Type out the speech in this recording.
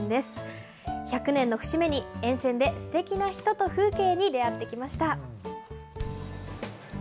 １００年の節目に、沿線ですてきな人と風景に出会ってきました。